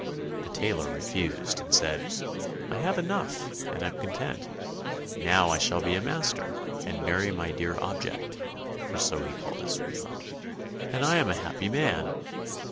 The tailor refused, and said, "I have enough and am content; now I shall be a master, and marry my dear object (for so he called his sweetheart), and I am a happy man."